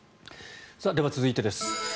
では、続いてです。